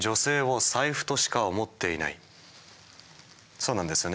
そうなんですよね？